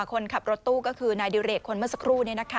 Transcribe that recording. คนขับรถตู้ก็คือนายดิเรกคนเมื่อสักครู่